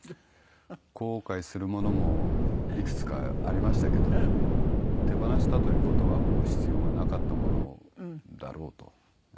後悔するものもいくつかありましたけど手放したという事はもう必要がなかったものだろうと思って。